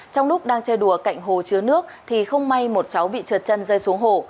trong lúc đang chơi đùa cạnh hồ chứa nước thì không may một cháu bị trượt chân rơi xuống hồ